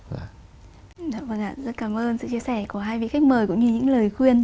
rất cảm ơn sự chia sẻ của hai vị khách mời cũng như những lời khuyên